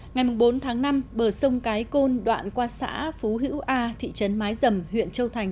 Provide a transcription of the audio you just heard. ngày bốn tháng năm bờ sông cái côn đoạn qua xã phú hữu a thị trấn mái dầm huyện châu thành